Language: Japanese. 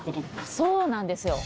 そうなんですよ。